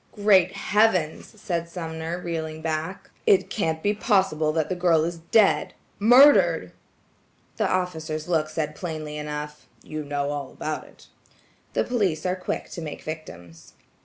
"Great heavens!" said Sumner reeling back, "it can't be possible that the girl is dead–murdered!" The officer's look said plainly enough,–"you know all about it." The police are quick to make victims.